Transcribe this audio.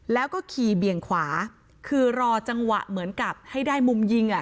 แล้วก็ขี่เบี่ยงขวาคือรอจังหวะเหมือนกับให้ได้มุมยิงอ่ะ